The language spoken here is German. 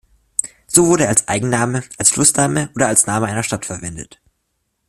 So wurde er als Eigenname, als Flussname und als Name einer Stadt verwendet.